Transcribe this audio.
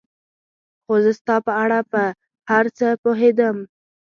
خو زه ستا په اړه په هر څه پوهېدم.